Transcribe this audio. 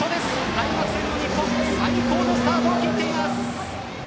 開幕戦の日本最高のスタートを切っています。